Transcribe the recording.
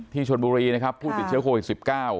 ชนบุรีนะครับผู้ติดเชื้อโควิด๑๙